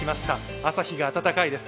朝日が暖かいです。